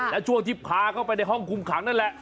และช่วงที่พาเข้าไปในห้องคุมขังนั่นแหละ